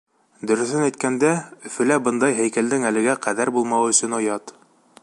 — Дөрөҫөн әйткәндә, Өфөлә бындай һәйкәлдең әлегә ҡәҙәр булмауы өсөн оят.